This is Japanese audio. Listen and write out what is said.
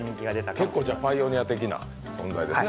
じゃあ、結構パイオニア的な存在ですね。